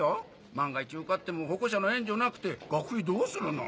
万が一受かっても保護者の援助なくて学費どうするの？